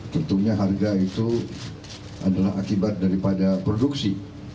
tentunya harga itu adalah akibat daripada produksi